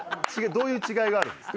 どういう違いがあるんですか？